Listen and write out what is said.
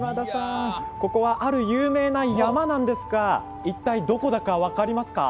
ここはある有名な山なんですが一体、どこだか分かりますか？